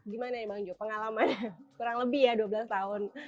gimana nih bang jo pengalaman kurang lebih ya dua belas tahun